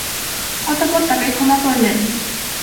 অতঃপর তাকে ক্ষমা করলেন।